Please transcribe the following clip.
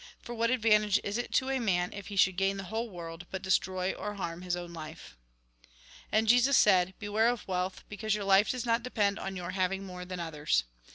For, what advantage is it to a man if he should gain the whole world, but destroy or harm his own life ?" And Jesus said :" Beware of wealth, because your life does not depend upon your having more than others.